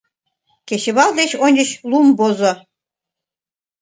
Кечывал деч ончыч лум возо.